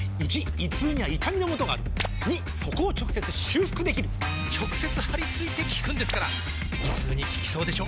①胃痛には痛みのもとがある②そこを直接修復できる直接貼り付いて効くんですから胃痛に効きそうでしょ？